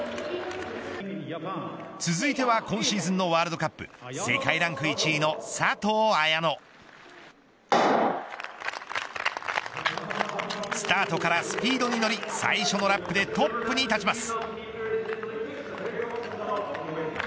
続いては今シーズンのワールドカップ世界ランク１位の佐藤綾乃。スタートからスピードに乗り最初のラップでトップに立ちます。